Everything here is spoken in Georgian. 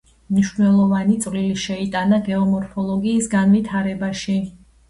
მნიშვნელოვანი წვლილი შეიტანა გეომორფოლოგიის განვითარებაში.